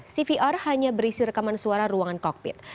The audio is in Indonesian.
cvr hanya berisi rekaman suara ruangan kokpit